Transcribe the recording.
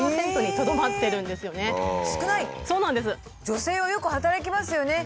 女性はよく働きますよね。